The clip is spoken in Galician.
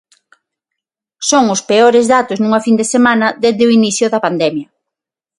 Son os peores datos nunha fin de semana dende o inicio da pandemia.